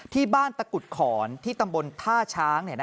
ตะกุดขอนที่ตำบลท่าช้าง